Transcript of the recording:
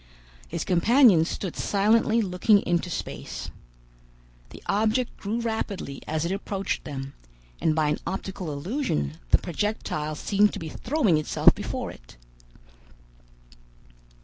His companions stood silently looking into space. The object grew rapidly as it approached them, and by an optical illusion the projectile seemed to be throwing itself before it.